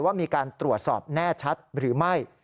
ว่ามีการตรวจสอบแน่ชัดหรือไม่